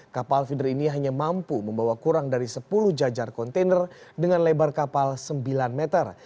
kapal feeder ini hanya mampu membawa kurang dari sepuluh jajar kontainer dengan lebar kapal sembilan meter